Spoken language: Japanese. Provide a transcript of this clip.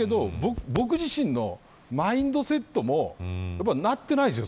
だけど僕自身のマインドセットはなってないです、